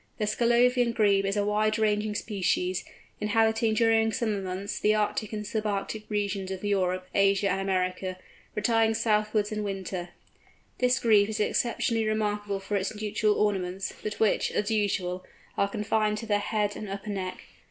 The Sclavonian Grebe is a wide ranging species, inhabiting during summer the Arctic and sub Arctic regions of Europe, Asia, and America, retiring southwards in winter. This Grebe is exceptionally remarkable for its nuptial ornaments, but which, as usual, are confined to the head and upper neck.